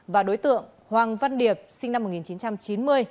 và đối tượng hoàng văn điệp sinh năm một nghìn chín trăm chín mươi